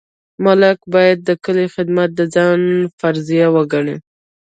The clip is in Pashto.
ملک باید د کلي خدمت د ځان فریضه وګڼي.